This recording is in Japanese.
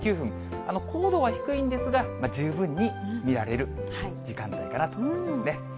高度は低いんですが、十分に見られる時間帯かなと思いますね。